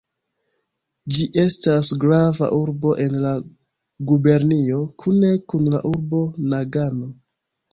Ĝi estas grava urbo en la gubernio kune kun la urbo Nagano.